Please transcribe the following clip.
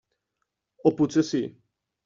O potser sí?